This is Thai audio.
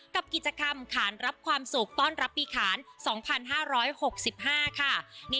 กับกิจกรรมค้านรับความสุขป้อนรับปีขาลสองพันห้าร้อยหกสิบห้าค่ะ